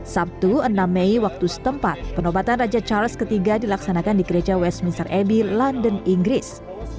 sabtu enam mei waktu setempat penobatan raja charles iii dilaksanakan di gereja westminster abbey london inggris